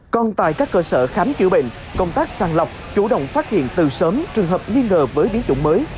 còn tại các cơ sở khám chữa bệnh công tác sàng lọc chủ động phát hiện từ sớm trường hợp nghi ngờ với biến chủng mới